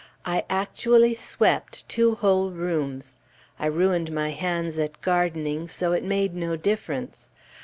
I actually swept two whole rooms! I ruined my hands at gardening, so it made no difference.